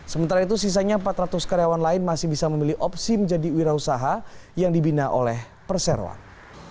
sementara itu sisanya empat ratus karyawan lain masih bisa memilih opsi menjadi wira usaha yang dibina oleh perseroan